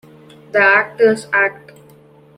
The actors act.